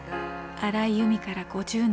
荒井由実から５０年。